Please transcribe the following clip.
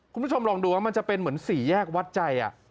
คุณผู้ชมลองดูว่ามันจะเป็นเหมือนสี่แยกวัดใจ